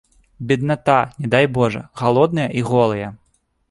Бедната, не дай божа, галодныя і голыя.